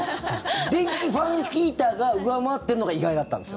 電気ファンヒーターが上回ってるのが意外だったんですよ。